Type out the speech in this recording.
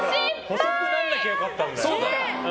薄くならなきゃ良かったんだよ。